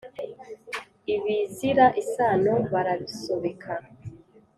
ibizira isano barabisobeka